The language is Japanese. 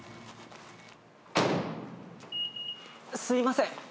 すいません。